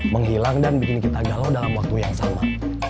menghilang dan bikin kita galau dalam waktu yang sama